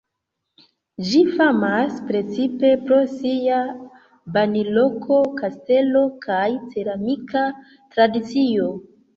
Ĝi famas precipe pro sia banloko, kastelo kaj ceramika tradicio.